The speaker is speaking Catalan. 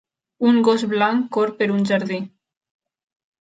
Un gos blanc corre per un jardí.